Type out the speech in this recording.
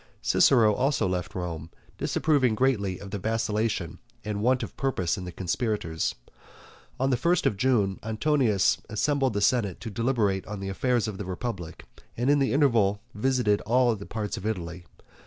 Cicero also left Rome, disapproving greatly of the vacillation and want of purpose in the conspirators. On the first of June Antonius assembled the senate to deliberate on the affairs of the republic, and in the interval visited all parts of Italy.